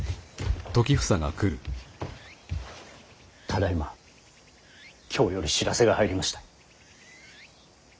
ただいま京より知らせが入りました。